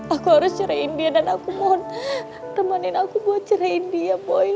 aku harus ceraiin dia dan aku mohon temanin aku buat ceraiin dia boy